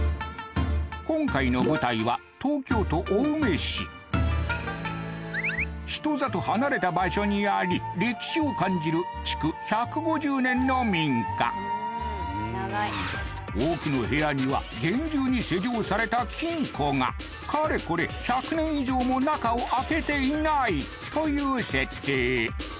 今回の舞台は人里離れた場所にあり歴史を感じる奥の部屋には厳重に施錠された金庫がかれこれ１００年以上も中を開けていないという設定